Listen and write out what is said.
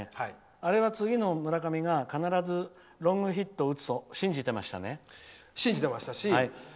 あれは次の村上が必ずロングヒットを打つと信じてましたし。